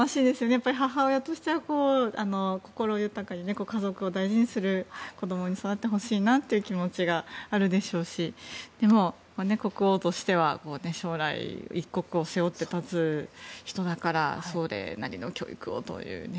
やっぱり母親としては心豊かに家族を大事にする子供に育ってほしいなという気持ちがあるでしょうしでも、国王としては将来一国を背負って立つ人だからそれなりの教育をというね。